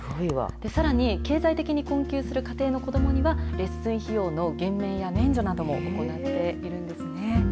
さらに、経済的に困窮する家庭の子どもには、レッスン費用の減免や免除なども行っているんですね。